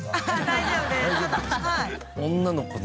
大丈夫ですか。